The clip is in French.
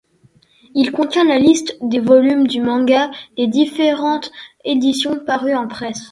Il contient la liste des volumes du manga des différentes éditions parus en presse.